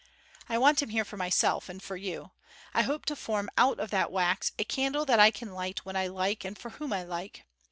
I want him here for myself and for you; I hope to form out of that wax a candle that I can light when I like and for whom I like.